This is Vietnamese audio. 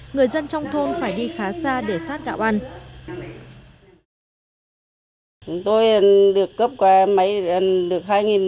người dân trong thôn phải đi khá sợ